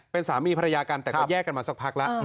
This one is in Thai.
เป็นสามีภรรยากันแต่ก็แยกกันมาสักพักแล้ว